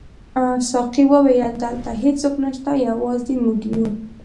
ساقي وویل: دلته هیڅوک نشته، یوازې موږ یو.